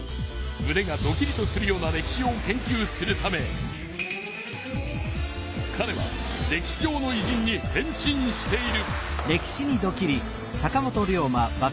むねがドキリとするような歴史を研究するためかれは歴史上のいじんに変身している。